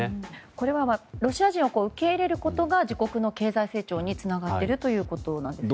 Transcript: これはロシア人は受け入れることが自国の経済成長につながっているということなんですよね。